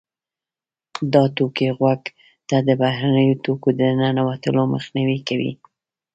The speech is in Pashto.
دا توکي غوږ ته د بهرنیو توکو د ننوتلو مخنیوی کوي.